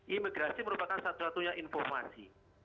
imigrasi merupakan satu satunya informasi